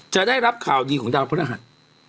จะได้รับข่าวดีของดาวพฤหัส